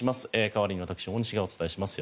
代わりに私、大西がお伝えします。